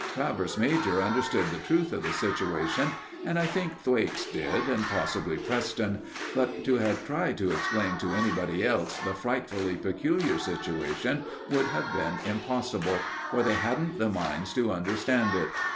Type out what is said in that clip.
Travers major understood the truth of the situation, and I think Thwaites did, and possibly Preston; but to have tried to explain to anybody else the frightfully peculiar situation would have been impossible, for they hadn't the minds to understand it.